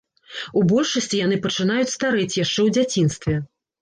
У большасці яны пачынаюць старэць яшчэ ў дзяцінстве.